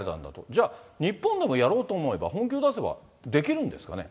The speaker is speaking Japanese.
じゃあ、日本でもやろうと思えば、本気を出せばできるんですかね。